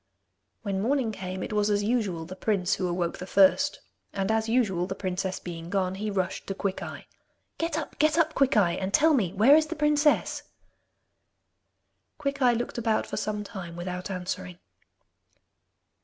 When morning came, it was as usual the prince who awoke the first, and as usual, the princess being gone, he rushed to Quickeye. 'Get up, get up, Quickeye, and tell me where is the princess?' Quickeye looked about for some time without answering.